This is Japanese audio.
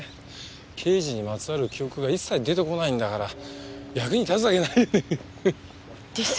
刑事にまつわる記憶が一切出てこないんだから役に立つわけないよね。